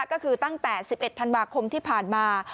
ก็คือตั้งแต่๑๑ธันวาคมที่ผ่านมา